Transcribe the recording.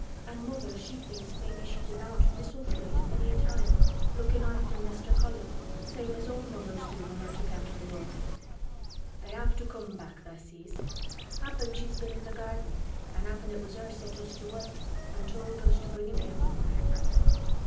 "An' mother she thinks maybe she's about Misselthwaite many a time lookin' after Mester Colin, same as all mothers do when they're took out o' th' world. They have to come back, tha' sees. Happen she's been in the garden an' happen it was her set us to work, an' told us to bring him here."